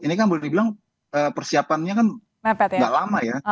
ini kan boleh dibilang persiapannya kan gak lama ya